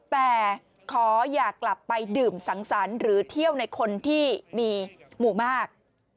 แต่ขออย่ากลับไปดื่มสังสรรค์หรือเที่ยวในคนที่มีหมู่มาก